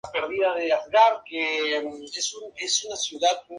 Si el centro del círculo esta sobre la parábola su dual es otra parábola.